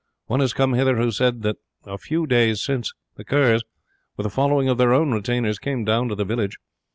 One has come hither who says that a few days since the Kerrs, with a following of their own retainers, came down to the village.